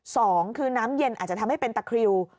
สองคือน้ำเย็นอาจจะทำให้เป็นตะคริว